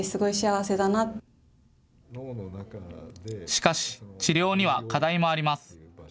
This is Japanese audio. しかし治療には課題もあります。